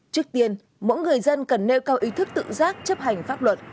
trước tiên mỗi người dân cần nêu cao ý thức tự giác chấp hành pháp luật